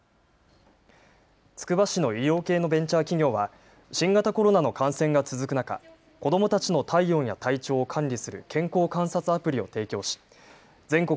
つくば市の医療系のベンチャー企業は新型コロナの感染が続く中、子どもたちの体温や体調を管理する健康観察アプリを提供し、全国